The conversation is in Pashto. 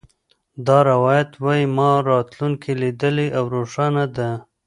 دا روایت وایي ما راتلونکې لیدلې او روښانه ده